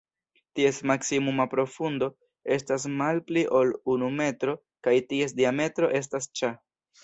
Ties maksimuma profundo estas malpli ol unu metro kaj ties diametro estas ĉa.